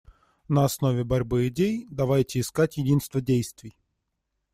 На основе борьбы идей давайте искать единство действий.